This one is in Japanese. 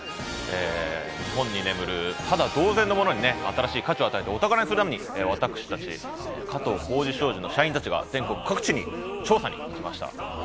日本に眠る、タダ同然のものに新しい価値を与えて、お宝にするために私たち、加藤浩次商事の社員が全国各地に調査に行きました。